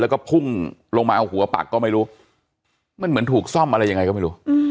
แล้วก็พุ่งลงมาเอาหัวปักก็ไม่รู้มันเหมือนถูกซ่อมอะไรยังไงก็ไม่รู้